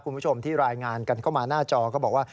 คุณผู้ชมที่รายงานกันเข้ามาหน้าจอก็บอกว่า